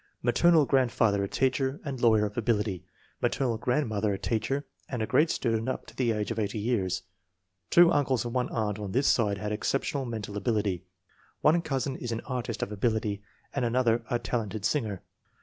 Maternal grandfather a teacher and lawyer of abil ity; maternal grandmother a teacher and "a great student up to the age of eighty years." Two uncles and one aunt on this side had exceptional mental ability. One cousin is an artist of ability, and an other a talented singer.